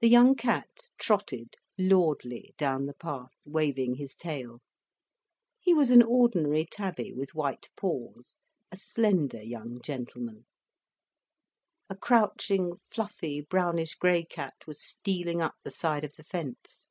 The young cat trotted lordly down the path, waving his tail. He was an ordinary tabby with white paws, a slender young gentleman. A crouching, fluffy, brownish grey cat was stealing up the side of the fence.